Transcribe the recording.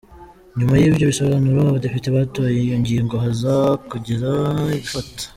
Nyuma y’ibyo bisobanuro, abadepite batoye iyo ngingo, haza kugira abifata.